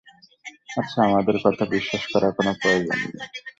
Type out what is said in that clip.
আচ্ছা, আমাদের কথা বিশ্বাস করার কোনো প্রয়োজন নেই।